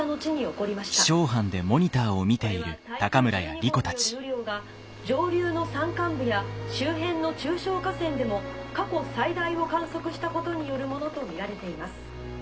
これは台風１２号による雨量が上流の山間部や周辺の中小河川でも過去最大を観測したことによるものと見られています。